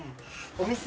お店？